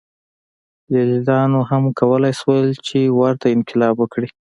لېلیانو هم کولای شول چې ورته انقلاب وکړي.